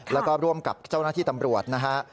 แล้วก็ร่วมกับเจ้าหน้าที่ตำรวจนะฮะ